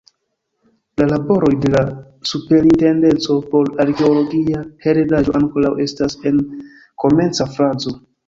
La laboroj de la Superintendenco por Arkeologia Heredaĵo ankoraŭ estas en komenca fazo.